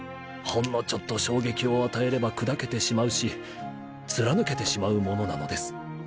ほんのちょっと衝撃を与えれば砕けてしまうし貫けてしまうものなのです